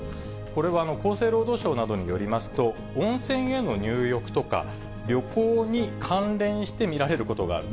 これは厚生労働省などによりますと、温泉への入浴とか旅行に関連して見られることがある。